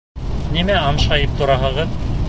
Нимә аңшайып тораһығыҙ?!